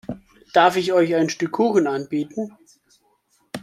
Darf ich euch ein Stück Kuchen anbieten?